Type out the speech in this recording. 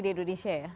di indonesia ya